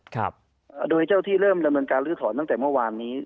ครับอ่าโดยเจ้าที่เริ่มดำเนินการลื้อถอนตั้งแต่เมื่อวานนี้